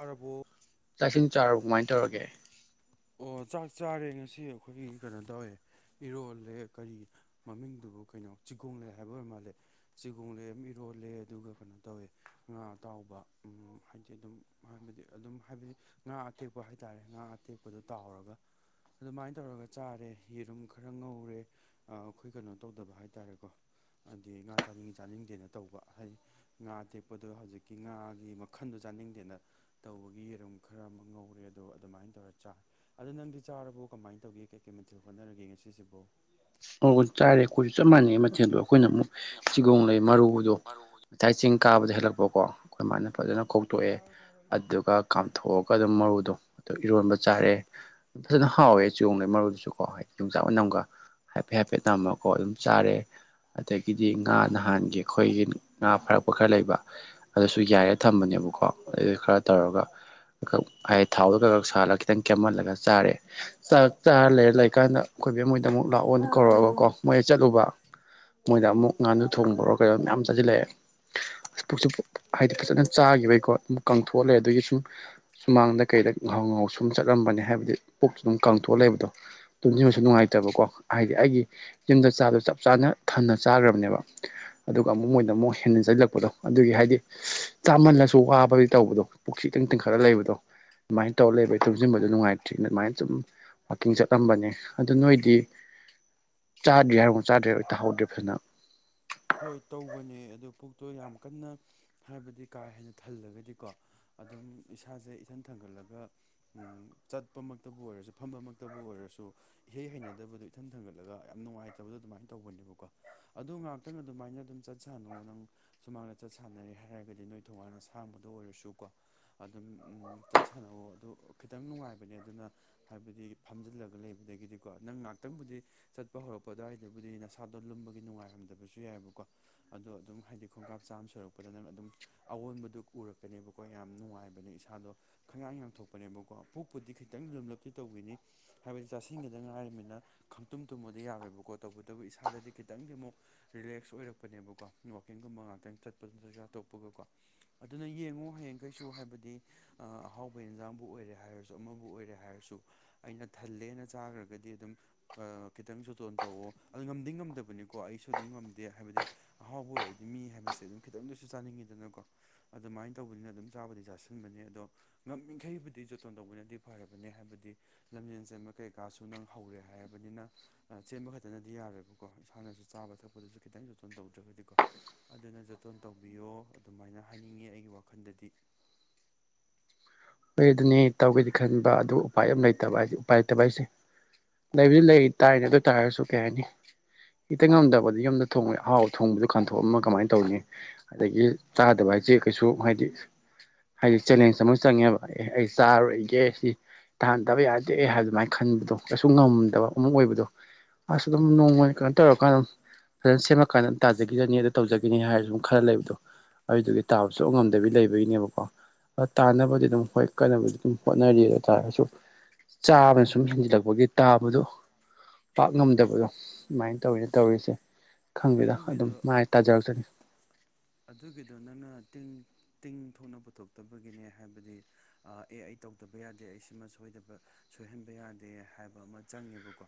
ꯑꯗꯨꯕꯨ꯫ ꯆꯥꯛ ꯏꯁꯤꯡ ꯆꯥꯔꯕꯣ ꯀꯃꯥꯏꯅ ꯇꯧꯔꯒꯦ꯫ ꯑꯣ ꯆꯥꯛ ꯆꯥꯔꯦ ꯉꯁꯤ ꯑꯈꯣꯏꯒꯤ ꯀꯩꯅꯣ ꯇꯧꯋꯦ꯫ ꯏꯔꯣꯜꯂꯦ ꯀꯔꯤ ꯃꯃꯤꯡꯗꯨꯕꯨ ꯀꯩꯅꯣ ꯆꯤꯒꯣꯡꯂꯩ ꯍꯥꯏꯕ ꯑꯣꯏꯔ ꯃꯥꯜꯂꯦ ꯆꯤꯒꯣꯡꯂꯩ ꯑꯃ ꯏꯔꯣꯜꯂꯦ ꯑꯗꯨꯒ ꯀꯩꯅꯣ ꯇꯧꯋꯦ ꯉꯥ ꯑꯇꯥꯎꯕ ꯎꯝ ꯍꯥꯏꯗꯤ ꯑꯗꯨꯝ ꯍꯥꯏꯕꯗꯤ ꯑꯗꯨꯝ ꯍꯥꯏꯕꯗꯤ ꯉꯥ ꯑꯇꯦꯛꯄ ꯍꯥꯏꯇꯥꯔꯦ ꯉꯥ ꯑꯇꯦꯛꯄꯗꯣ ꯇꯥꯎꯔꯒ ꯑꯗꯨꯃꯥꯏꯅ ꯇꯧꯔꯒ ꯆꯥꯔꯦ ꯌꯦꯔꯨꯝ ꯈꯔ ꯉꯧꯔꯦ ꯑ ꯑꯩꯈꯣꯏ ꯀꯩꯅꯣ ꯇꯧꯗꯕ ꯍꯥꯏ ꯇꯥꯔꯦꯀꯣ ꯍꯥꯏꯗꯤ ꯉꯥ ꯆꯥꯅꯤꯡꯉꯤ ꯆꯥꯅꯤꯡꯗꯦꯅ ꯇꯧꯕ ꯍꯥꯏꯗꯤ ꯉꯥ ꯑꯇꯦꯛꯄꯗꯣ ꯍꯧꯖꯤꯛꯀꯤ ꯉꯥꯒꯤ ꯃꯈꯟꯗꯣ ꯆꯥꯅꯤꯡꯗꯦꯅ ꯇꯧꯕꯒꯤ ꯌꯦꯔꯨꯝ ꯈꯔ ꯑꯃ ꯉꯧꯔꯦ ꯑꯗꯣ ꯑꯗꯨꯃꯥꯏꯅ ꯇꯧꯔꯦ ꯆꯥꯏ ꯑꯗꯣ ꯅꯪꯗꯤ ꯆꯥꯔꯕꯣ ꯀꯃꯥꯏꯅ ꯇꯧꯒꯦ ꯀꯩ ꯀꯩ ꯃꯊꯦꯜ ꯍꯣꯠꯅꯔꯤꯒꯦ ꯉꯁꯤ ꯁꯤꯕꯣ ꯑꯧ ꯑꯧ ꯆꯥꯔꯦ ꯑꯩꯈꯣꯏꯁꯨ ꯆꯞ ꯃꯥꯟꯅꯩꯌꯦ ꯃꯊꯦꯜꯗꯣ ꯑꯩꯈꯣꯏꯅ ꯑꯃꯨꯛ ꯆꯤꯒꯣꯡꯂꯩ ꯃꯔꯨꯗꯣ ꯃꯔꯨ [unintelligible] ꯆꯤꯡ ꯀꯥꯕꯗ ꯍꯜꯂꯛꯄꯀꯣ ꯑꯩꯈꯣꯏ ꯃꯥꯅ ꯐꯖꯅ ꯀꯣꯛꯇꯣꯛꯑꯦ ꯑꯗꯨꯒ ꯀꯥꯝ__ [unintelligible] ꯊꯣꯛꯑꯒ ꯑꯗꯨꯝ ꯃꯔꯨꯗꯣ ꯑꯗꯨ ꯏꯔꯣꯟꯕ ꯆꯥꯔꯦ ꯐꯖꯅ ꯍꯥꯎꯋꯦ ꯆꯤꯒꯣꯡꯂꯩ ꯃꯔꯨꯗꯨꯁꯨꯀꯣ ꯍꯥꯏꯗꯤ ꯌꯣꯡꯆꯥꯛ ꯃꯅꯝꯒ ꯍꯥꯏꯐꯦꯠ ꯍꯥꯏꯐꯦꯠ ꯅꯝꯃꯀꯣ ꯑꯗꯨꯝ ꯆꯥꯔꯦ ꯑꯗꯒꯤꯗꯤ ꯉꯥ ꯅꯍꯥꯟꯒꯤ ꯑꯩꯈꯣꯏꯒꯤ ꯉꯥ ꯐꯥꯔꯛꯄ ꯈꯔ ꯂꯩꯕ ꯑꯗꯨꯁꯨ ꯌꯥꯏꯔ ꯊꯝꯕꯅꯦꯕꯀꯣ ꯑꯗꯨ ꯈꯔ ꯇꯧꯔꯒ [unintelligible] ꯊꯥꯎꯗ ꯈꯛ ꯈꯛ ꯁꯥꯍꯜꯂꯒ ꯈꯤꯇꯪ ꯀꯦꯝꯍꯜꯂꯒ ꯆꯥꯔꯦ ꯆꯥꯛ ꯆꯥꯔ ꯂꯩꯔ ꯂꯩꯀꯥꯟꯗ ꯑꯩꯈꯣꯏꯕꯦꯝ ꯍꯣꯏꯗ ꯑꯃꯨꯛ ꯂꯥꯛꯑꯣꯅ ꯀꯧꯔꯛꯑꯕꯀꯣ ꯃꯣꯏꯗ ꯆꯠꯂꯨꯕ ꯃꯣꯏꯗ ꯑꯃꯨꯛ ꯉꯥꯅꯨ ꯊꯣꯡꯕꯔꯣ ꯀꯩꯩꯌꯣ ꯃꯌꯥꯝ ꯆꯥꯁꯤꯜꯂꯛꯑꯦ ꯑꯁ ꯄꯨꯛꯁꯦ ꯄꯨꯛ ꯍꯥꯏꯗꯤ ꯐꯖꯅ ꯆꯥꯈꯤꯕꯒꯤꯀꯣ ꯑꯗꯨ ꯀꯪꯊꯣꯛꯑ ꯂꯩꯔꯦ ꯑꯗꯒꯤ ꯁꯨꯝ__ ꯁꯨꯃꯥꯡꯗ ꯀꯩꯗ ꯉꯥꯍꯧ ꯉꯥꯍꯧ ꯁꯨꯝ ꯆꯠꯂꯝꯕꯅꯦ ꯍꯥꯏꯕꯗꯤ ꯄꯨꯛꯁꯨꯨ ꯑꯗꯨꯝ ꯀꯡꯊꯣꯛꯑ ꯂꯩꯕꯗꯣ ꯇꯨꯝꯁꯤꯟꯕꯁꯨ ꯅꯨꯡꯉꯥꯏꯇꯕꯀꯣ ꯍꯥꯏꯗꯤ ꯑꯩꯒꯤ ꯌꯨꯝꯗ ꯆꯥꯕꯗꯣ ꯆꯞ ꯆꯥꯅ ꯊꯟꯅ ꯆꯥꯈ꯭ꯔꯕꯅꯦꯕ ꯑꯗꯨꯒ ꯑꯃꯨꯛ ꯃꯣꯏꯗ ꯑꯃꯨꯛ ꯍꯦꯟ ꯖꯜꯂꯛꯄꯗꯣ ꯑꯗꯨꯒꯤ ꯍꯥꯏꯗꯤ ꯆꯥꯃꯜꯂꯁꯨ ꯋꯥꯕꯒꯤ ꯇꯧꯕꯗꯣ ꯄꯨꯛꯁꯦ ꯏꯇꯤꯡ ꯇꯤꯡꯈꯠꯂ ꯂꯩꯕꯗꯣ ꯑꯗꯨꯃꯥꯏꯟ ꯇꯧꯔ ꯂꯩꯔꯦ ꯇꯨꯝꯁꯤꯟꯕꯗ ꯅꯨꯡꯉꯥꯏꯇ꯭ꯔꯤꯅ ꯑꯝꯃꯥꯏꯟ ꯁꯨꯝ ꯋꯥꯛꯀꯤꯡ ꯆꯠꯂꯝꯕꯅꯦ ꯑꯗꯨ ꯅꯣꯏꯗꯤ ꯆꯥꯗ꯭ꯔꯤ ꯍꯥꯏꯔꯣ ꯆꯥꯗ꯭ꯔꯦ ꯑꯩ ꯇꯥꯍꯧꯗ꯭ꯔꯦ ꯐꯖꯅ ꯍꯣꯏ ꯇꯧꯕꯅꯦ ꯑꯗꯣ ꯄꯨꯛꯇꯣ ꯌꯥꯝ ꯀꯟꯅ ꯍꯥꯏꯕꯗꯤ ꯀꯥ ꯍꯦꯟꯅ ꯊꯜꯂꯒꯗꯤꯀꯣ ꯑꯗꯨꯝ ꯏꯁꯥꯁꯦ ꯏꯊꯟ ꯊꯟꯒꯠꯂꯒ ꯎꯝ ꯆꯠꯄꯃꯛꯇꯕꯨ ꯑꯣꯏꯔꯁꯨ ꯐꯝꯕꯃꯛꯇꯕꯨ ꯑꯣꯏꯔꯁꯨ ꯏꯍꯩ ꯍꯩꯅꯗꯕꯗꯣ ꯏꯊꯟ ꯊꯟꯒꯠꯂꯒ ꯌꯥꯝ ꯅꯨꯡꯉꯥꯏꯇꯕꯗꯣ ꯑꯗꯨꯃꯥꯏꯅ ꯇꯧꯕꯅꯦꯕꯀꯣ ꯑꯗꯣ ꯉꯥꯏꯇ__ ꯈꯤꯇꯪ ꯑꯗꯨꯃꯥꯏꯅ ꯑꯗꯨꯝ ꯆꯠ ꯁꯥꯥꯅꯧꯋꯣ ꯅꯪ ꯁꯨꯃꯥꯡꯗ ꯆꯠ ꯁꯥꯟꯅꯔꯦ ꯍꯥꯏꯔꯒꯗꯤ ꯅꯣꯏ ꯊꯣꯡꯒꯥꯟ ꯑꯁꯥꯡꯕꯗ ꯑꯣꯏꯔꯁꯨꯀꯣ ꯑꯗꯨꯝ ꯎꯝ ꯆꯠ ꯁꯥꯟꯅꯧꯋꯣ ꯑꯗꯨ ꯈꯤꯇꯪ ꯅꯨꯡꯉꯥꯏꯕꯅꯦ ꯑꯗꯨꯅ ꯍꯥꯏꯕꯗꯤ ꯐꯝꯖꯤꯜꯂꯒ ꯂꯩꯕꯗꯒꯤꯗꯤꯀꯣ ꯅꯪ ꯉꯥꯛꯇꯪꯕꯨꯗꯤ ꯆꯠꯄ ꯍꯧꯔꯛꯄ ꯑꯗꯨꯋꯥꯏꯗꯕꯨꯗꯤ ꯅꯁꯥꯗꯣ ꯂꯨꯝꯕꯒꯤ ꯅꯨꯡꯉꯥꯏꯔꯝꯗꯕꯁꯨ ꯌꯥꯏꯌꯦꯕꯀꯣ ꯑꯗꯣ ꯑꯗꯨꯝ ꯍꯥꯏꯗꯤ ꯈꯣꯡꯀꯥꯞ ꯆꯥꯝ ꯁꯨꯔꯛꯄꯗ ꯅꯪ ꯑꯗꯨꯝ ꯑꯑꯣꯟꯕꯗꯨ ꯎꯔꯛꯀꯅꯦꯕꯀꯣ ꯌꯥꯝ ꯅꯨꯡꯉꯥꯏꯕꯅꯦ ꯏꯁꯥꯗꯣ ꯈꯪꯌꯥꯡ ꯌꯥꯡꯊꯣꯛꯄꯅꯦꯕꯀꯣ ꯄꯨꯛꯄꯨꯗꯤ ꯈꯤꯇꯪ ꯂꯨꯝꯂꯞꯇꯤ ꯇꯧꯒꯤꯅꯤ ꯍꯥꯏꯕꯗꯤ ꯆꯥꯁꯤꯟꯒꯤꯗ ꯉꯥꯏꯔꯤꯝꯅꯤꯅ ꯈꯪꯇꯨꯝ ꯇꯨꯝꯃꯣꯗꯤ ꯌꯥꯔꯣꯏꯀꯣ ꯇꯧꯕꯇꯕꯨ ꯏꯁꯥꯗꯗꯤ ꯈꯤꯇꯪꯗꯤ ꯑꯃꯨꯛ ꯔꯤꯂꯦꯛꯁ ꯑꯣꯏꯔꯛꯄꯅꯦꯕꯀꯣ ꯋꯥꯛꯀꯤꯡꯒꯨꯝꯕ ꯉꯥꯛꯇꯪ ꯆꯠꯄꯖꯨ ꯆꯥꯛ ꯆꯥ ꯇꯣꯛꯄꯒꯀꯣ ꯑꯗꯨꯅ ꯌꯦꯡꯉꯣ ꯍꯌꯦꯡ ꯈꯩꯁꯨ ꯍꯥꯏꯕꯗꯤ ꯑ ꯑꯍꯥꯎꯕ ꯍꯦꯟꯖꯥꯡꯕꯨ ꯑꯣꯏꯔꯦ ꯍꯥꯏꯔꯁꯨ ꯑꯃꯕꯨ ꯑꯣꯏꯔꯦ ꯍꯥꯏꯔꯁꯨ ꯑꯩꯅ ꯊꯜꯂꯦꯅ ꯆꯥꯒ꯭ꯔꯒꯗꯤ ꯑꯗꯨꯝ ꯑ ꯈꯤꯇꯪ ꯖꯣꯇꯣꯟ ꯇꯧꯋꯣ ꯑ ꯉꯝꯗꯤ ꯉꯝꯗꯕꯅꯤꯀꯣ ꯑꯩꯁꯨ__ ꯑꯩꯁꯨ ꯑꯗꯨꯝ ꯉꯝꯗꯦ ꯍꯥꯏꯕꯗꯤ ꯑꯍꯥꯎꯕ ꯑꯣꯏꯔꯗꯤ ꯃꯤ ꯍꯥꯏꯕꯁꯦ ꯑꯗꯨꯝ ꯈꯤꯇꯪꯗꯁꯨ ꯆꯥꯅꯤꯡꯉꯤꯗꯅꯀꯣ ꯑꯗꯨꯃꯥꯏꯅ ꯇꯧꯕꯅꯤꯅ ꯑꯗꯨꯝ ꯆꯥꯕꯗꯤ ꯆꯥꯁꯤꯟꯒꯅꯤ ꯑꯗꯣ ꯉꯝꯃꯤꯈꯩꯕꯨꯗꯤ ꯖꯣꯇꯣꯟ ꯇꯧꯕꯅꯗꯤ ꯐꯔꯕꯅꯦ ꯍꯥꯏꯕꯗꯤ ꯂꯝꯖꯦꯟ ꯆꯦꯟꯕ ꯀꯩꯀꯥꯁꯨ ꯅꯪ ꯍꯧꯔꯦ ꯍꯥꯏꯔꯕꯅꯤꯅ ꯆꯦꯟꯕ ꯈꯛꯇꯅꯗꯤ ꯌꯥꯔꯣꯏꯕꯀꯣ ꯏꯁꯥꯅꯁꯨ__ ꯆꯥꯕ ꯊꯛꯄꯗꯁꯨ ꯈꯤꯇꯪ ꯖꯣꯇꯣꯟ ꯇꯧꯗ꯭ꯔꯒꯗꯤꯀꯣ ꯑꯗꯨꯅ ꯖꯣꯇꯣꯟ ꯇꯧꯕꯤꯌꯣ ꯑꯗꯨꯃꯥꯏꯅ ꯍꯥꯏꯅꯤꯡꯉꯦ ꯑꯩꯒꯤ ꯋꯥꯈꯜꯗꯗꯤ ꯑꯩ ꯑꯗꯨꯅꯦ ꯇꯧꯒꯦꯗꯤ ꯈꯟꯕ ꯑꯗꯨꯒ ꯎꯄꯥꯏ ꯌꯥꯝ ꯂꯩꯇꯕ ꯍꯥꯏꯁꯦ ꯎꯄꯥꯏ ꯂꯩꯇꯕ ꯍꯥꯏꯁꯦ ꯂꯩꯕꯨꯗꯤ ꯂꯩ ꯇꯥꯅꯤ ꯑꯗꯨ ꯑꯣꯏ ꯇꯥꯔꯁꯨ ꯀꯩ ꯍꯥꯏꯅꯤ ꯏꯇꯪ ꯉꯝꯗꯕꯗ ꯌꯨꯝꯗ ꯊꯣꯡ ꯑꯍꯥꯎ ꯊꯣꯡꯕꯗ ꯈꯥꯟꯊꯣꯛꯑꯝꯃ ꯀꯃꯥꯏꯅ ꯇꯧꯔꯨꯅꯤ ꯑꯗꯒꯤ ꯆꯥꯗꯕ ꯍꯥꯏꯁꯦ ꯀꯩꯁꯨ ꯍꯥꯏꯗꯤ ꯍꯥꯏꯗꯤ ꯆꯦꯂꯦꯟꯖ ꯑꯃ ꯆꯪꯉꯦꯕ ꯑꯦ ꯑꯩ ꯆꯥꯔꯨꯣꯏꯒꯦ ꯁꯤ ꯇꯥꯍꯟꯗꯕ ꯌꯥꯗꯦ ꯍꯥꯏꯗꯨꯃꯥꯏꯅ ꯈꯟꯕꯗꯣ ꯀꯩꯁꯨ ꯉꯝꯗꯕ ꯑꯃ ꯑꯣꯏꯕꯗꯣ ꯑꯁ ꯑꯗꯨꯝ ꯅꯣꯡꯃ ꯀꯩꯅꯣ ꯇꯧꯔꯀꯥꯟꯗ ꯑꯗꯨꯝ ꯐꯖꯅ ꯁꯦꯝꯃꯛꯀꯥꯟꯗ ꯇꯥꯖꯈꯤꯖꯅꯤ ꯑꯗ ꯇꯧꯖꯒꯅꯤ ꯍꯥꯏꯔꯁꯨ ꯁꯨꯝ ꯈꯔ ꯂꯩꯕꯗꯣ ꯑꯗꯨꯗꯨꯒꯤ ꯇꯥꯕꯁꯨꯉꯝꯗꯕꯤ ꯂꯩꯕꯒꯤꯅꯦꯕꯀꯣ ꯑꯥ ꯇꯥꯅꯕꯗꯤ ꯑꯗꯨꯝ ꯈꯣꯏ ꯀꯟꯅꯕꯨꯗꯤ ꯑꯗꯨꯝ ꯍꯣꯠꯅꯔꯤ ꯍꯥꯏ ꯇꯥꯔꯒꯁꯨ ꯆꯥꯕꯅ ꯁꯨꯝ ꯍꯦꯟꯖꯜꯂꯛꯄꯒꯤ ꯇꯥꯕꯗꯣ ꯄꯥꯛ ꯉꯝꯗꯕꯗꯣ ꯑꯗꯨꯃꯥꯏꯅ ꯇꯧꯔꯤꯅ ꯇꯧꯔꯤꯁꯦ ꯈꯪꯗꯦꯗ ꯑꯗꯨꯝ ꯑꯗꯨꯒꯤꯗꯣ ꯃꯥꯏ ꯇꯥꯖꯔꯛꯀꯅꯤ ꯑꯗꯨꯒꯤꯗꯣ ꯅꯪꯅ ꯇꯤꯡ ꯇꯤꯡ ꯊꯣꯛꯅ ꯄꯨꯊꯣꯛꯇꯕꯒꯤꯅꯦ ꯍꯥꯏꯕꯗꯤ ꯑꯥ ꯑꯦ ꯑꯩ ꯇꯧꯗꯕ ꯌꯥꯗꯦ ꯑꯩ ꯁꯤꯃ ꯁꯣꯏꯗꯕ ꯁꯣꯏꯍꯟꯕ ꯌꯥꯗꯦ ꯍꯥꯏꯕ ꯑꯃ ꯆꯪꯉꯦꯕꯀꯣ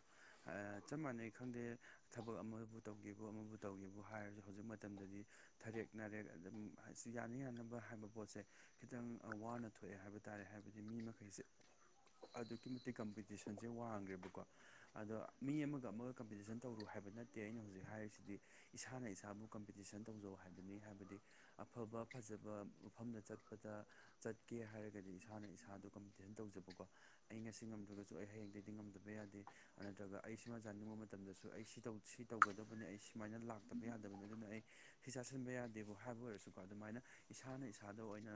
ꯆꯞ ꯃꯥꯟꯅꯩ ꯈꯪꯗꯦ ꯊꯕꯛ ꯑꯃꯕꯨ ꯇꯧ ꯊꯕꯛ ꯑꯃꯕꯨ ꯇꯧꯕꯨ ꯍꯥꯏꯔꯁꯨ ꯍꯧꯖꯤꯛ ꯃꯇꯝꯗꯗꯤ ꯊꯔꯦꯛ ꯅꯥꯔꯦꯛ ꯑꯗꯨꯝ ꯌꯥꯅ ꯌꯥꯅꯕ ꯍꯥꯏꯕ ꯄꯣꯠꯁꯦ ꯈꯤꯇꯪ ꯋꯥꯅ ꯊꯣꯛꯑꯦ ꯍꯥꯏꯕ ꯇꯥꯔꯦ ꯍꯥꯏꯕꯗꯤ ꯃꯤ ꯃꯈꯩꯁꯦ ꯑꯗꯨꯛꯀꯤ ꯃꯇꯤꯛ ꯀꯝꯄꯤꯇꯤꯁꯟꯁꯦ ꯋꯥꯡꯈ꯭ꯔꯦꯕꯀꯣ ꯑꯗꯣ ꯃꯤ ꯑꯃꯒ ꯑꯃꯒ ꯀꯝꯄꯤꯇꯤꯁꯟ ꯇꯧꯔꯨ ꯍꯥꯏꯕ ꯅꯠꯇꯦ ꯑꯩꯅ ꯍꯧꯖꯤꯛ ꯍꯥꯏꯔꯤ ꯑꯁꯤꯗꯤ ꯏꯁꯥꯅ ꯏꯁꯥꯕꯨ ꯀꯝꯄꯤꯇꯤꯁꯟ ꯇꯧꯖꯧ ꯍꯥꯏꯕꯅꯤ ꯍꯥꯏꯕꯗꯤ ꯑꯐꯕ ꯐꯖꯕ ꯃꯐꯝꯗ ꯆꯠꯄꯗ ꯆꯠꯀꯦ ꯍꯥꯏꯔꯒꯗꯤ ꯏꯁꯥꯅ ꯏꯁꯥꯗꯨ ꯇꯟ ꯇꯧꯖꯕꯀꯣ ꯑꯩ ꯉꯁꯤ ꯉꯝꯗ꯭ꯔꯒꯁꯨ ꯑꯩ ꯍꯌꯦꯡꯗꯒꯤꯗꯤ ꯉꯝꯗꯕ ꯌꯥꯗꯦ ꯅꯠꯇ꯭ꯔꯒ ꯑꯩ ꯁꯤꯃ ꯆꯥꯅꯤꯡꯕ ꯃꯇꯝꯗꯁꯨ ꯑꯩ ꯁꯤ ꯇꯧ ꯁꯤ ꯇꯧꯒꯗꯕꯅꯤ ꯑꯩ ꯁꯨꯃꯥꯏꯅ ꯂꯥꯛꯇꯕ ꯌꯥꯗꯕꯅꯤ ꯑꯗꯨꯅ ꯑꯩ ꯁꯤ ꯆꯥꯁꯤꯟꯕ ꯌꯥꯗꯦꯕꯨ ꯍꯥꯏꯕ ꯑꯣꯏꯔꯁꯨꯀꯣ ꯑꯗꯨꯃꯥꯏꯅ ꯏꯁꯥꯅ ꯏꯁꯥꯗ ꯑꯣꯏꯅ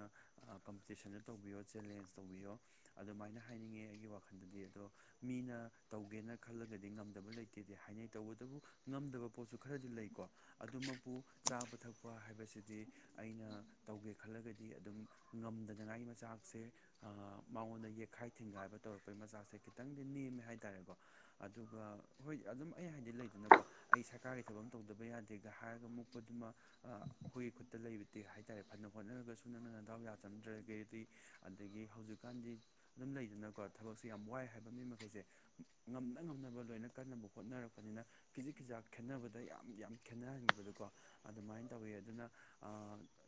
ꯀꯝꯄꯤꯇꯤꯁꯟꯗꯨ ꯇꯧꯕꯤꯌꯣ ꯆꯦꯂꯦꯟꯖ ꯇꯧꯕꯤꯌꯣ ꯑꯗꯨꯃꯥꯏꯅ ꯍꯥꯏꯅꯤꯡꯉꯦ ꯑꯩꯒꯤ ꯋꯥꯈꯜꯗꯗꯤ ꯑꯗꯣ ꯃꯤꯅ ꯇꯧꯒꯦꯅ ꯈꯜꯂꯒꯗꯤ ꯉꯝꯗꯕ ꯂꯩꯇꯦꯗꯤ ꯍꯥꯏꯅꯩ ꯇꯧꯕꯇꯕꯨ ꯉꯝꯗꯕ ꯄꯣꯠꯁꯨ ꯈꯔꯗꯤ ꯂꯩꯀꯣ ꯑꯗꯨꯃꯛꯄꯨ ꯆꯥꯕ ꯊꯛꯄ ꯍꯥꯏꯕꯁꯤꯗꯤ ꯑꯩꯅ ꯇꯧꯒꯦ ꯈꯜꯂꯒꯗꯤ ꯑꯗꯨꯝ ꯉꯝꯗꯅꯉꯥꯏ ꯃꯆꯥꯛꯁꯦ ꯃꯉꯣꯟꯗ ꯌꯦꯛꯈꯥꯏ ꯊꯤꯡꯒꯥꯏꯕ ꯇꯧꯔꯛꯄꯩ ꯃꯆꯥꯛꯁꯦ ꯈꯤꯇꯪꯗꯤ ꯅꯦꯝꯃꯦ ꯍꯥꯏ ꯇꯥꯔꯦꯀꯣ ꯑꯗꯨꯒ ꯍꯣꯏ ꯑꯗꯨꯝ ꯑꯩ ꯍꯥꯏꯗꯤ ꯂꯩꯗꯅꯀꯣ ꯑꯩ ꯁꯔꯀꯥꯔꯒꯤ ꯊꯕꯛ ꯑꯃ ꯇꯧꯗꯕ ꯌꯥꯗꯦꯒ ꯍꯥꯏꯔꯒ ꯃꯨꯛꯄꯗꯨꯃ ꯑꯩꯈꯣꯏꯒꯤ ꯈꯨꯠꯇ ꯂꯩꯕ ꯅꯠꯇꯦ ꯍꯥꯏ ꯇꯥꯔꯦ ꯐꯅ ꯍꯣꯠꯅꯔꯒꯁꯨ ꯅꯪꯅ ꯅꯗꯥꯎ ꯌꯥꯖꯗ꯭ꯔꯒꯗꯤ ꯑꯗꯒꯤ ꯍꯧꯖꯤꯛꯀꯥꯟꯗꯤ ꯑꯗꯨꯝ ꯂꯩꯗꯅꯀꯣ ꯊꯕꯛꯁꯦ ꯌꯥꯝ ꯋꯥꯏ ꯍꯥꯏꯕ ꯃꯤ ꯃꯈꯩꯁꯦ ꯉꯝꯅ ꯉꯝꯅꯕ ꯂꯣꯏꯅ ꯀꯟꯅꯕ ꯍꯣꯠꯅꯔꯛꯄꯅꯤ ꯈꯤꯖꯤꯛ ꯈꯤꯖꯥꯛ ꯈꯦꯠꯅꯕꯗ ꯌꯥꯝ ꯌꯥꯝ ꯈꯦꯠꯅꯍꯟꯈꯤꯕꯗꯀꯣ ꯑꯗꯨꯃꯥꯏꯅ ꯇꯧꯋꯤ ꯑꯗꯨꯅ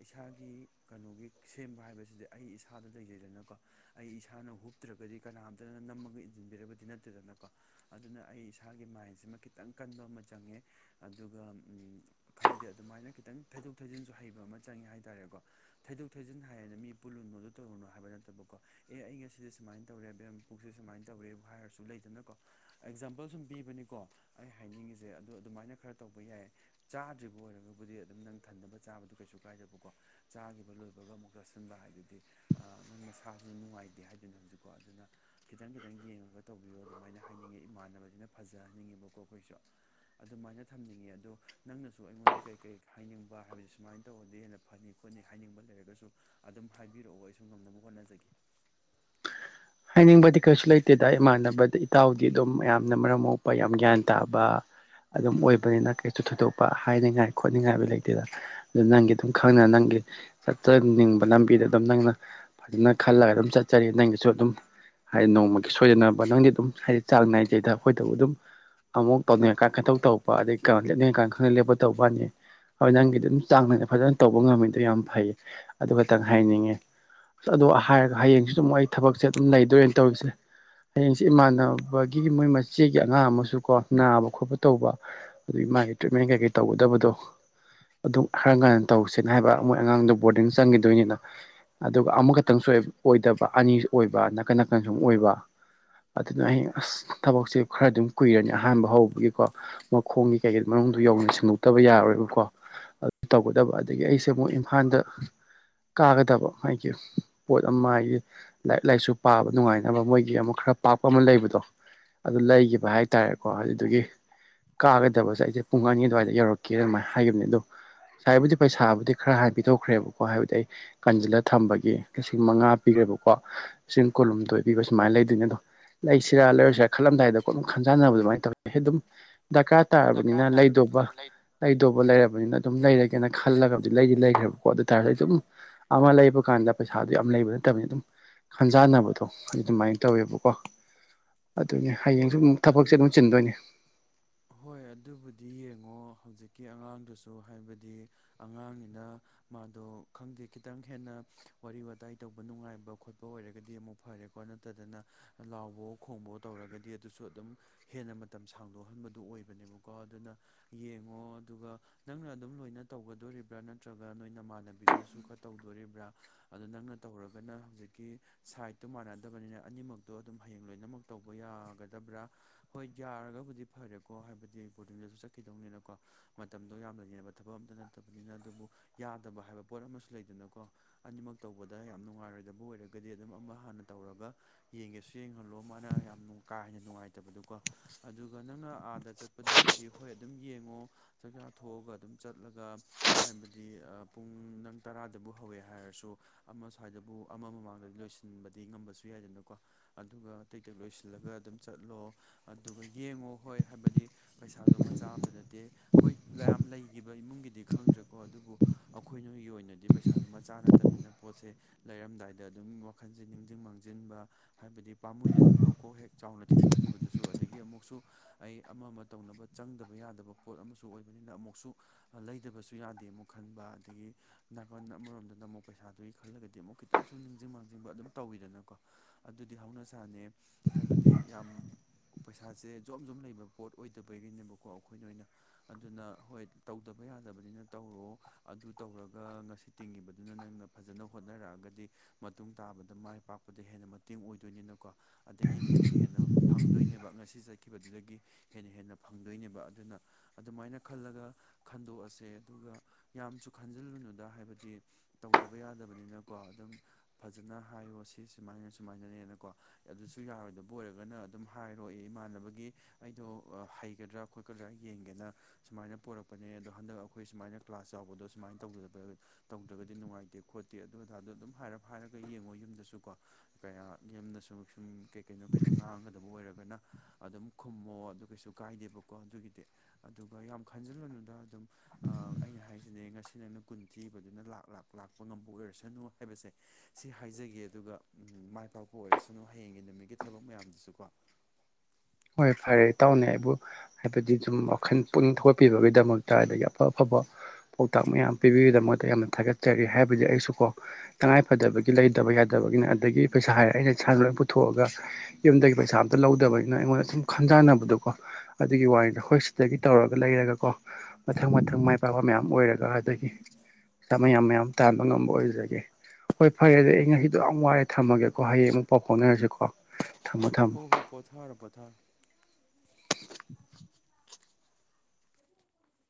ꯏꯁꯥꯒꯤ ꯀꯩꯅꯣꯒꯤ ꯁꯦꯝꯕ ꯍꯥꯏꯕꯁꯤꯗꯤ ꯑꯩ ꯏꯁꯥꯗ ꯂꯩꯖꯩꯗꯅꯀꯣ ꯑꯩ ꯏꯁꯥꯅ ꯍꯨꯞꯇ꯭ꯔꯒꯗꯤ ꯀꯅꯥꯝꯇꯅ ꯅꯝꯃꯒ ꯏꯟꯁꯤꯟꯕꯤꯔꯕꯗꯤ ꯅꯠꯇꯦꯗꯅꯀꯣ ꯑꯗꯨꯅ ꯑꯩ ꯏꯁꯥꯒꯤ ꯃꯥꯏꯟꯁꯤꯅ ꯈꯤꯇꯪ ꯀꯟꯕ ꯑꯃꯗꯤ ꯆꯪꯉꯦ ꯑꯗꯨꯒ ꯈꯪꯗꯦ ꯑꯗꯨꯃꯥꯏꯅ ꯈꯤꯇꯪ ꯊꯩꯗꯣꯛ ꯊꯩꯖꯤꯟꯁꯨ ꯍꯩꯕ ꯑꯃ ꯆꯪꯉꯦ ꯍꯥꯏꯇꯥꯔꯦꯀꯣ ꯊꯩꯗꯣꯛ ꯊꯩꯖꯤꯟ ꯍꯥꯏꯌꯦꯅ ꯃꯤ ꯄꯨꯜꯂꯨꯅꯨ ꯇꯧꯔꯨꯅꯨ ꯍꯥꯏꯕ ꯅꯠꯇꯕꯀꯣ ꯑꯦ ꯑꯩ ꯉꯁꯤꯁꯦ ꯁꯨꯃꯥꯏꯅ ꯇꯧꯔꯦ ꯏꯕꯦꯝ ꯄꯨꯛꯁꯦ ꯁꯨꯃꯥꯏꯅ ꯇꯧꯔꯦꯕꯨ ꯍꯥꯏꯔꯁꯨ ꯂꯩꯗꯅꯀꯣ ꯑꯦꯛꯖꯥꯝꯄꯜ ꯁꯨꯝ ꯄꯤꯕꯅꯤꯀꯣ ꯑꯩ ꯍꯥꯏꯅꯤꯡꯉꯤꯁꯦ ꯑꯗꯨ ꯑꯗꯨꯃꯥꯏꯅ ꯈꯔ ꯇꯧꯕ ꯌꯥꯏ ꯆꯥꯗ꯭ꯔꯤꯕ ꯑꯣꯏꯔꯒꯕꯨꯗꯤ ꯑꯗꯨꯝ ꯅꯪ ꯊꯟꯗꯕ ꯆꯥꯕꯗꯨ ꯀꯩꯁꯨ ꯀꯥꯏꯗꯕꯀꯣ ꯆꯥꯈꯤꯕ ꯂꯣꯏꯕꯒ ꯑꯃꯨꯛ ꯂꯣꯠꯁꯤꯟꯕ ꯍꯥꯏꯗꯨꯗꯤ ꯅꯪ ꯅꯁꯥꯁꯨ ꯅꯨꯡꯉꯥꯏꯇꯦ ꯍꯥꯏꯗꯣꯏꯅꯤ ꯍꯧꯖꯤꯛꯀꯣ ꯑꯗꯨꯅ ꯈꯤꯇꯪ ꯈꯤꯇꯪ ꯌꯦꯡꯉꯒ ꯇꯧꯕꯤꯌꯣ ꯑꯗꯨꯃꯥꯏꯅ ꯍꯥꯏꯅꯤꯡꯉꯤ ꯏꯃꯥꯟꯅꯕꯅꯤꯅ ꯐꯖꯍꯟꯅꯤꯡꯉꯤꯕꯀꯣ ꯑꯩꯈꯣꯏꯁꯨ ꯑꯗꯨꯃꯥꯏꯅ ꯊꯝꯅꯤꯡꯉꯤ ꯑꯗꯣ ꯅꯪꯅꯁꯨ ꯑꯩꯉꯣꯟꯗ ꯀꯩ ꯀꯔꯤ ꯍꯥꯏꯅꯤꯡꯕ ꯍꯥꯏꯕꯗꯤ ꯁꯨꯃꯥꯏꯅ ꯇꯧꯔꯗꯤ ꯍꯦꯟꯅ ꯐꯅꯤ ꯈꯣꯠꯅꯤ ꯍꯥꯏꯅꯤꯡꯕ ꯂꯩꯔꯒꯁꯨ ꯑꯗꯨꯝ ꯍꯥꯏꯕꯤꯔꯛꯑꯣ ꯑꯩꯁꯨ ꯉꯝꯅꯕ ꯍꯣꯠꯅꯖꯒꯦ ꯍꯥꯏꯅꯤꯡꯕꯗꯤ ꯀꯩꯁꯨ ꯂꯩꯇꯦꯗ ꯏꯃꯥꯟꯅꯕꯗ ꯏꯇꯥꯎꯗꯤ ꯑꯗꯨꯝ ꯌꯥꯝꯅ ꯃꯔꯝ ꯃꯣꯛꯄ ꯌꯥꯝ ꯒ꯭ꯌꯥꯟ ꯇꯥꯕ ꯑꯗꯨꯝ ꯑꯣꯏꯕꯅꯤꯅ ꯀꯩꯁꯨ ꯊꯣꯏꯗꯣꯛꯄ ꯍꯥꯏꯅꯤꯡꯉꯥꯏ ꯈꯣꯠꯅꯤꯡꯉꯥꯏ ꯂꯩꯇꯦꯗ ꯑꯗꯨ ꯅꯪꯒꯤ ꯑꯗꯨꯝ ꯈꯪꯅ ꯅꯪꯒꯤ ꯆꯠꯆꯅꯤꯡꯕ ꯂꯝꯕꯤꯗ ꯑꯗꯨꯝ ꯅꯪꯅ ꯑꯗꯨꯅ ꯈꯜꯂꯒ ꯑꯗꯨꯝ ꯆꯠꯆꯔꯤ ꯅꯪꯒꯤꯁꯨ ꯑꯗꯨꯝ ꯍꯥꯏꯗꯤ ꯅꯣꯡꯃꯒꯤ ꯁꯣꯏꯗꯅꯕ ꯅꯪꯗꯤ ꯑꯗꯨꯝ ꯍꯥꯏꯗꯤ ꯆꯥꯡ ꯅꯥꯏꯗꯦꯗ ꯑꯩꯈꯣꯏꯗꯕꯨ ꯑꯗꯨꯝ ꯑꯃꯨꯛ ꯇꯧꯅꯤꯡꯉꯛꯀꯥꯟ ꯈꯣꯇꯧ ꯇꯧꯔꯄ ꯑꯗꯒꯤ ꯂꯦꯞꯅꯤꯡꯉꯛꯀꯥꯟꯗ ꯈꯪ ꯂꯦꯞ ꯂꯦꯞꯄ ꯇꯧꯕꯅꯤ ꯍꯣꯏ ꯅꯪꯒꯤꯗꯤ ꯑꯗꯨꯝ ꯆꯥꯡꯅ ꯐꯖꯅ ꯇꯧꯕ ꯉꯝꯃꯤꯗꯣ ꯌꯥꯝ ꯐꯩ ꯑꯗꯨ ꯈꯇꯪ ꯍꯥꯏꯅꯤꯡꯉꯦ ꯑꯗꯣ ꯍꯥꯏꯔ ꯑꯌꯦꯡꯁꯨ ꯑꯗꯨꯝ ꯑꯩ ꯊꯕꯛꯁꯦ ꯑꯗꯨꯝ ꯂꯩꯗꯣꯏꯅꯤ ꯇꯧꯔꯤꯁꯦ ꯍꯌꯦꯡꯁꯦ ꯏꯃꯥꯟꯅꯕꯒꯤ ꯃꯣꯏ ꯏꯆꯦꯒꯤ ꯑꯉꯥꯡ ꯑꯃꯁꯨ ꯀꯣ ꯅꯥꯕ ꯈꯣꯠꯄ ꯇꯧꯕ ꯑꯗꯨꯗꯒꯤ ꯃꯥꯒꯤ ꯇ꯭ꯔꯤꯠꯃꯦꯟ ꯀꯩ ꯀꯩ ꯇꯧꯒꯗꯕꯗꯣ ꯑꯗꯨꯝ ꯈꯔ ꯉꯟꯅ ꯇꯧꯁꯦꯅ ꯍꯥꯏꯕ ꯃꯣꯏ ꯑꯉꯥꯡꯗꯣ ꯕꯣꯔꯗꯤꯡ ꯆꯪꯈꯤꯗꯣꯏꯅꯤꯅ ꯑꯗꯨꯒ ꯑꯃꯈꯛꯇꯪꯁꯨ ꯑꯣꯏꯗꯕ ꯑꯅꯤ ꯑꯣꯏꯕ ꯅꯥꯀꯟ ꯅꯥꯀꯟ ꯁꯨꯝ ꯑꯣꯏꯕ ꯑꯗꯨꯅ ꯍꯌ‌ꯦꯡ ꯑꯁ ꯊꯕꯛꯁꯦ ꯈꯔ ꯑꯗꯨꯝ ꯀꯨꯏꯔꯅꯤ ꯑꯍꯥꯟꯕ ꯍꯧꯕꯒꯤꯀꯣ ꯃꯈꯣꯡꯒꯤ ꯀꯩꯀꯩ ꯃꯅꯨꯡꯗꯨ ꯌꯧꯅ ꯁꯟꯗꯣꯛꯇꯕ ꯌꯥꯔꯔꯣꯏꯕꯀꯣ ꯑꯗꯨ ꯇꯧꯒꯗꯕ ꯑꯗꯒꯤ ꯑꯩꯁꯦ ꯑꯃꯨꯛ ꯏꯝꯐꯥꯜꯗ ꯀꯥꯒꯗꯕ ꯃꯥꯒꯤ ꯄꯣꯠ ꯑꯃ ꯍꯥꯏꯒꯤ ꯂꯥꯏꯔꯤꯛ ꯂꯥꯏꯁꯨ ꯄꯥꯕ ꯅꯨꯡꯉꯥꯏꯅꯕ ꯃꯣꯏꯒꯤ ꯑꯃꯨꯛ ꯈꯔ ꯄꯥꯛꯄ ꯑꯃ ꯂꯩꯕꯗꯣ ꯑꯗꯨ ꯂꯩꯈꯤꯕ ꯍꯥꯏꯇꯥꯔꯦꯀꯣ ꯑꯗꯨꯗꯨꯒꯤ ꯀꯥꯒꯗꯕꯁꯦ ꯑꯩꯁꯦ ꯄꯨꯡ ꯑꯅꯤ ꯑꯗꯨꯋꯥꯏꯗ ꯌꯧꯔꯛꯀꯦꯅ ꯑꯗꯨꯃꯥꯏꯅ ꯍꯥꯏꯈꯤꯕꯅꯤ ꯑꯗꯣ ꯉꯁꯥꯏꯕꯨꯗꯤ ꯄꯩꯁꯥꯕꯨꯗꯤ ꯈꯔ ꯍꯥꯟ ꯄꯤꯊꯣꯛꯈ꯭ꯔꯦꯕꯀꯣ ꯍꯥꯏꯕꯗꯤ ꯑꯩ ꯀꯟꯖꯤꯜꯂ ꯊꯝꯕꯒꯤ ꯂꯤꯁꯤꯡ ꯃꯉꯥ ꯄꯤꯈ꯭ꯔꯦꯕꯀꯣ ꯀꯣ ꯆꯤꯡ ꯀꯣꯂꯨꯝꯗꯣꯏꯄꯤꯕ ꯁꯨꯃꯥꯏꯅ ꯂꯩꯗꯣꯏꯅꯦ ꯑꯗꯣ ꯂꯩ ꯁꯤꯔꯥ ꯂꯩꯔꯣꯢꯁꯤꯔ ꯥꯈꯜꯂꯝꯗꯥꯏꯗ ꯀꯣ ꯑꯗꯨꯝ ꯈꯟꯖꯥꯟꯅꯕ ꯑꯗꯨꯃꯥꯏꯅ ꯇꯧ ꯑꯗꯨꯝ ꯗꯔꯀꯥꯔ ꯇꯥꯔꯕꯅꯤꯅ ꯂꯩꯗꯧꯕ ꯂꯩꯗꯧꯕ ꯂꯩꯔꯕꯅꯤꯅ ꯑꯗꯨꯝ ꯂꯩꯔꯒꯦꯅ ꯈꯜꯂꯒꯕꯨꯗꯤ ꯂꯩꯗꯤ ꯂꯩꯒ꯭ꯔꯦꯕꯀꯣ ꯑꯗꯨ ꯇꯥꯔꯁꯨ ꯑꯗꯨꯝ ꯑꯃ ꯂꯩꯕ ꯀꯥꯟꯗ ꯄꯩꯁꯥꯗꯨ ꯌꯥꯝ ꯂꯩꯕ ꯅꯠꯇꯕꯅꯤ ꯑꯗꯨꯝ ꯈꯟꯖꯥꯟꯅꯕꯗꯣ ꯑꯗꯨ ꯑꯗꯨꯃꯥꯏꯅ ꯇꯧꯋꯦꯕꯀꯣ ꯑꯗꯨꯅꯦ ꯍꯌꯦꯡꯁꯨ ꯍꯣꯏ ꯊꯕꯛꯁꯦ ꯑꯗꯨ ꯑꯗꯨꯝ ꯆꯤꯟꯗꯣꯏꯅꯤ ꯍꯣꯏ ꯑꯗꯨꯕꯨꯗꯤ ꯌꯦꯡꯉꯣ ꯍꯧꯖꯤꯛꯀꯤ ꯑꯉꯥꯡꯗꯨꯁꯨ ꯍꯥꯏꯕꯗꯤ ꯑꯉꯥꯡꯅꯤꯅ ꯃꯥꯗꯣ ꯈꯪꯗꯦ ꯈꯤꯇꯪ ꯍꯦꯟꯅ ꯋꯥꯔꯤ ꯋꯥꯇꯥꯏ ꯇꯧꯕ ꯅꯨꯡꯉꯥꯏꯕ ꯈꯣꯠꯄ ꯑꯣꯏꯔꯒꯗꯤ ꯑꯃꯨꯛ ꯐꯔꯦ ꯀꯣ ꯅꯠꯇꯗꯅ ꯂꯥꯎꯕ ꯈꯣꯡꯕ ꯇꯧꯔꯒꯗꯤ ꯑꯗꯨꯁꯨ ꯑꯗꯨꯝ ꯍꯦꯟꯅ ꯃꯇꯝ ꯁꯥꯡꯗꯣꯛꯍꯟꯕ ꯑꯗꯨ ꯑꯣꯏꯕꯅꯦꯕꯀꯣ ꯑꯗꯨꯅ ꯌꯦꯡꯉꯣ ꯑꯗꯨꯒ ꯅꯪꯅ ꯑꯗꯨꯝ ꯂꯣꯏꯅ ꯇꯧꯒꯗꯣꯔꯤꯕ꯭ꯔꯥ ꯅꯠꯇ꯭ꯔꯒ ꯅꯣꯏ ꯅꯃꯥꯟꯅꯕꯤꯗꯨꯅꯁꯨ ꯈꯔ ꯇꯧꯗꯣꯔꯤꯕ꯭ꯔꯥ ꯑꯗꯨ ꯅꯪꯅ ꯇꯧꯔꯒꯅ ꯍꯧꯖꯤꯛꯀꯤ ꯁꯥꯏꯗꯠꯇꯨ ꯃꯥꯟꯅꯗꯕꯅꯤꯅ ꯑꯅꯤꯃꯛꯇꯣ ꯑꯗꯨꯝ ꯍꯌꯦꯡ ꯂꯣꯏꯅꯃꯛ ꯇꯧꯕ ꯌꯥꯒꯗꯕ꯭ꯔꯥ ꯍꯣꯏ ꯌꯥꯔꯒꯕꯨꯗꯤ ꯐꯔꯦꯀꯣ ꯍꯥꯏꯕꯗꯤ ꯕꯣꯔꯗꯤꯡꯗꯁꯨ ꯆꯠꯈꯤꯗꯧꯅꯤꯅꯀꯣ ꯃꯇꯝꯗꯣ ꯌꯥꯝꯅꯅꯦꯕ ꯊꯕꯛ ꯑꯝꯇ ꯅꯠꯇꯕꯅꯤꯅ ꯑꯗꯨꯕꯨ ꯌꯥꯗꯕ ꯍꯥꯏꯕ ꯄꯣꯠ ꯑꯃꯁꯨ ꯂꯩꯗꯅꯀꯣ ꯑꯅꯤꯃꯛ ꯇꯧꯕꯗ ꯌꯥꯝ ꯅꯨꯡꯉꯥꯏꯔꯣꯏꯗꯕ ꯑꯣꯏꯔꯒꯗꯤ ꯑꯗꯨꯝ ꯑꯃ ꯍꯥꯟꯅ ꯇꯧꯔꯒ ꯌꯦꯡꯒꯦꯁꯨ ꯌꯦꯡꯍꯜꯂꯣ ꯃꯥꯅ ꯌꯥꯝ ꯀꯥ ꯍꯦꯟꯅ ꯅꯨꯡꯉꯥꯏꯇꯕꯗꯨꯀꯣ ꯑꯗꯨꯒ ꯅꯪꯅꯥ ꯑ ꯗ ꯆꯠꯄꯗꯨꯕꯨꯗꯤ ꯍꯣꯏ ꯑꯗꯨꯝ ꯌꯦꯡꯉꯣ ꯆꯥꯛ-ꯆꯥ ꯊꯣꯛꯑꯒ ꯑꯗꯨꯝ ꯆꯠꯂꯒ ꯍꯥꯏꯕꯗꯤ ꯄꯨꯡ ꯅꯪ ꯇꯔꯥꯗꯕꯨ ꯍꯧꯋꯦ ꯍꯥꯏꯔꯁꯨ ꯑꯃ ꯁ꯭ꯋꯥꯏꯗꯕꯨ ꯑꯃ ꯃꯃꯥꯡꯗꯗꯤ ꯂꯣꯏꯁꯤꯟꯕꯗꯤ ꯉꯝꯕꯁꯨ ꯌꯥꯏꯗꯅꯀꯣ ꯑꯗꯨꯒ ꯑꯇꯩꯇꯩ ꯂꯣꯏꯁꯤꯜꯂꯒ ꯑꯗꯨꯝ ꯆꯠꯂꯣ ꯑꯗꯨꯒ ꯌꯦꯡꯉꯣ ꯍꯣꯏ ꯍꯥꯏꯕꯗꯤ ꯄꯩꯁꯥꯗꯣ ꯃꯆꯥ ꯑꯃꯝꯇ ꯅꯠꯇꯦ ꯍꯣꯏ ꯌꯥꯝ ꯂꯩꯈꯤꯕ ꯏꯃꯨꯡꯒꯤꯗꯤ ꯈꯪꯗ꯭ꯔꯦꯀꯣ ꯑꯗꯨꯕꯨ ꯑꯩꯈꯣꯏꯅꯒꯤ ꯑꯣꯏꯅꯗꯤ ꯄꯩꯁꯥꯗꯨ ꯃꯆꯥ ꯅꯠꯇꯃꯤꯅ ꯄꯣꯠꯁꯦ ꯂꯩꯔꯝꯗꯥꯏꯗ ꯑꯗꯨꯝ ꯋꯥꯈꯜꯁꯦ ꯅꯤꯡꯁꯤꯡ ꯃꯥꯡꯖꯤꯟꯕ ꯍꯥꯏꯕꯗꯤ ꯄꯥꯝꯃꯨꯏꯗꯅ ꯀꯣꯛ ꯀꯣꯛ ꯍꯦꯛ ꯆꯥꯎꯅ ꯊꯤꯟꯗꯣꯛꯈꯤꯕꯗꯨꯁꯨ ꯑꯗꯒꯤ ꯑꯃꯨꯛꯁꯨ ꯑꯩ ꯑꯃ ꯑꯃ ꯇꯧꯅꯕ ꯆꯪꯗꯕ ꯌꯥꯗꯕ ꯄꯣꯠ ꯑꯃꯁꯨ ꯑꯣꯏꯕꯅꯤꯅ ꯑꯃꯨꯛꯁꯨ ꯂꯩꯗꯕꯁꯨ ꯌꯥꯗꯦ ꯑꯃꯨ ꯈꯟꯕ ꯑꯗꯒꯤ ꯅꯥꯀꯟ ꯑꯃꯔꯣꯝꯗꯅ ꯑꯃꯨꯛ ꯄꯩꯁꯥꯗꯨꯒꯤ ꯈꯜꯂꯒꯗꯤ ꯑꯃꯨꯛ ꯈꯤꯇꯪꯁꯨ ꯅꯤꯡꯁꯤꯡ ꯃꯥꯡꯖꯤꯡꯕ ꯑꯗꯨꯝ ꯇꯧꯋꯤꯗꯅꯀꯣ ꯑꯗꯨꯗꯤ ꯍꯧꯅ ꯁꯥꯅ‌ꯦ ꯍꯥꯏꯕꯗꯤ ꯌꯥꯝ ꯄꯩꯁꯥꯁꯦ ꯖꯣꯝ ꯖꯣꯝ ꯂꯩꯕ ꯄꯣꯠ ꯑꯣꯏꯗꯕꯒꯤꯅꯦꯕꯀꯣ ꯑꯩꯈꯣꯏꯅ ꯑꯣꯏꯅ ꯑꯗꯨꯅ ꯍꯣꯏ ꯇꯧꯗꯕ ꯌꯥꯗꯕꯅꯤꯅ ꯇꯧꯔꯣ ꯑꯗꯨ ꯇꯧꯔꯒ ꯉꯁꯤ ꯇꯤꯡꯒꯤꯕꯗꯨꯅ ꯅꯪꯅ ꯐꯖꯅ ꯍꯣꯠꯅꯔꯛꯑꯒꯗꯤ ꯃꯇꯨꯡ ꯇꯥꯕꯗ ꯃꯥꯏ ꯄꯥꯛꯄꯗ ꯍꯦꯟꯅ ꯃꯇꯦꯡ ꯑꯣꯏꯗꯣꯏꯅꯤꯅꯀꯣ ꯑꯗꯒꯤ ꯍꯦꯟꯅ ꯍꯦꯟꯅ ꯐꯪꯗꯣꯏꯅꯦꯕ ꯉꯁꯤ ꯆꯠꯈꯤꯕꯗꯨꯗꯒꯤ ꯍꯦꯟꯅ ꯍꯦꯟꯅ ꯐꯪꯗꯣꯏꯅꯦꯕ ꯑꯗꯨꯅ ꯑꯗꯨꯃꯥꯏꯅ ꯈꯜꯂꯒ ꯈꯟꯗꯣꯛꯑꯁꯦ ꯑꯗꯨꯒ ꯌꯥꯝꯁꯨ ꯈꯟꯖꯤꯜꯂꯨꯅꯨꯗ ꯍꯥꯏꯕꯗꯤ ꯇꯧꯗꯕ ꯌꯥꯗꯕꯅꯤꯅꯀꯣ ꯑꯗꯨꯝ ꯐꯖꯅ ꯍꯥꯏꯌꯣ ꯁꯤ ꯁꯨꯃꯥꯏꯅ ꯁꯨꯃꯥꯏꯅꯅꯦꯅꯀꯣ ꯑꯗꯨꯁꯨ ꯌꯥꯔꯣꯏꯗꯕ ꯑꯣꯏꯔꯒꯅ ꯑꯗꯨꯝ ꯍꯥꯏꯔꯣꯏ ꯏꯃꯥꯟꯅꯕꯒꯤ ꯑꯩꯗꯣ ꯍꯩꯒꯗ꯭ꯔꯥ ꯈꯣꯠꯀꯗ꯭ꯔꯥ ꯌꯦꯡꯒꯦꯅ ꯁꯨꯃꯥꯏꯅ ꯄꯣꯔꯛꯄꯅꯦ ꯑꯗꯣ ꯍꯟꯗꯛ ꯑꯩꯈꯣꯏ ꯁꯨꯃꯥꯏꯅ ꯀ꯭ꯂꯥꯁ ꯆꯥꯎꯕꯗꯣ ꯁꯨꯃꯥꯏꯅ ꯇꯧꯒꯗꯕ ꯇꯧꯗ꯭ꯔꯒꯗꯤ ꯅꯨꯡꯉꯥꯏꯇꯦ ꯈꯣꯠꯇꯦ ꯑꯗꯨꯗꯥꯗꯣ ꯑꯗꯨꯝ ꯍꯥꯏꯔꯞ ꯍꯥꯏꯔꯒ ꯌꯦꯡꯉꯣ ꯌꯨꯝꯗꯁꯨ ꯀꯣ ꯀꯌꯥ ꯌꯨꯝꯅꯁꯨꯨꯝ ꯁꯨꯝ ꯀꯩ ꯀꯩꯅꯣ ꯀꯩꯅꯣ ꯉꯥꯡꯒꯗꯕ ꯑꯣꯏꯔꯒꯅ ꯑꯗꯨꯝ ꯈꯨꯝꯃꯣ ꯑꯗꯨ ꯀꯩꯁꯨ ꯀꯥꯏꯗꯦꯕꯀꯣ ꯑꯗꯨꯒꯤꯗꯤ ꯑꯗꯨꯒ ꯌꯥꯝ ꯈꯟꯖꯤꯜꯂꯅꯨꯗ ꯑꯗꯨꯝ ꯑꯩꯅ ꯍꯥꯏ ꯁꯤꯅꯦ ꯉꯁꯤ ꯅꯪꯅ ꯀꯨꯟ ꯊꯤꯕꯗꯨꯅ ꯂꯥꯛ ꯂꯥꯛ ꯂꯥꯛꯄ ꯉꯝꯕ ꯑꯣꯏꯔꯁꯅꯨ ꯍꯥꯏꯕꯁꯦ ꯁꯤ ꯍꯥꯏꯖꯒꯦ ꯑꯗꯨꯒ ꯃꯥꯏ ꯄꯥꯛꯄ ꯑꯣꯏꯔꯁꯅꯨ ꯍꯌꯦꯡꯒꯤ ꯅꯨꯃꯤꯠꯀꯤ ꯊꯕꯛ ꯃꯌꯥꯝꯗꯨꯁꯨꯀꯣ ꯍꯣꯏ ꯐꯔꯦ ꯏꯇꯥꯎꯅꯦ ꯑꯩꯕꯨ ꯍꯥꯏꯕꯗꯤ ꯑꯗꯨꯨꯝ ꯋꯥꯈꯜ ꯍꯥꯏꯕꯗꯤ ꯁꯨꯝ ꯄꯨꯛꯅꯤꯡ ꯊꯧꯒꯠꯄꯤꯕꯒꯤꯗꯃꯛꯇ ꯑꯗꯒꯤ ꯑꯐ ꯑꯐꯕ ꯄꯥꯎꯇꯥꯛ ꯃꯌꯥꯝ ꯄꯤꯕꯤꯕꯒꯤꯗꯃꯛꯇ ꯌꯥꯝꯅ ꯊꯥꯒꯠꯆꯔꯤ ꯍꯥꯏꯕꯗꯤ ꯑꯩꯁꯨ ꯀꯣ ꯇꯉꯥꯏꯐꯗꯕꯒꯤ ꯂꯩꯇꯕ ꯌꯥꯗꯕꯒꯤꯅ ꯑꯗꯒꯤ ꯄꯩꯁꯥ ꯍꯥꯏꯔꯒ ꯑꯩꯅ ꯏꯁꯥꯅ ꯂꯣꯏ ꯄꯨꯊꯣꯛꯑꯒ ꯌꯨꯝꯗꯒꯤ ꯄꯩꯁꯥ ꯑꯝꯇ ꯂꯧꯗꯕ ꯑꯩꯅ ꯑꯩꯉꯣꯟꯗ ꯁꯨꯝ ꯈꯟꯖꯥꯟꯅꯕꯗꯣꯀꯣ ꯑꯗꯨꯒꯤ ꯋꯥꯔꯤꯗ ꯑꯩꯈꯣꯏ ꯁꯤꯗꯒꯤ ꯇꯧꯔꯒ ꯂꯩꯔꯒꯀꯣ ꯃꯊꯪ ꯃꯊꯪ ꯃꯥꯏ ꯄꯥꯛꯄ ꯃꯌꯥꯝ ꯑꯣꯏꯔꯒ ꯑꯗꯒꯤ ꯄꯩꯁꯥ ꯃꯌꯥꯝ ꯃꯌꯥꯝ ꯇꯥꯟꯕ ꯉꯝꯕ ꯑꯣꯏꯖꯒꯦ ꯍꯣꯏ ꯐꯔꯦ ꯑꯗꯨꯗꯤ ꯑꯩ ꯉꯁꯤꯗꯣ ꯌꯥꯝ ꯋꯥꯔꯦ ꯊꯝꯃꯒꯦꯀꯣ ꯍꯌꯦꯡ ꯑꯃꯨꯛ ꯄꯥꯎ ꯐꯥꯎꯅꯔꯁꯤꯀꯣ ꯊꯝꯃꯣ ꯊꯝꯃꯣ ꯍꯣ ꯍꯣ ꯄꯣꯊꯥꯔ‌ꯣ ꯄꯣꯊꯥꯔ‌ꯣ